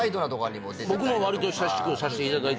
僕もわりと親しくさせていただいてます。